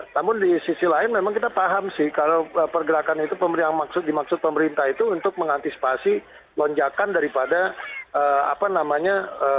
namun di sisi lain memang kita paham sih kalau pergerakan itu dimaksud pemerintah itu untuk mengantisipasi lonjakan daripada apa namanya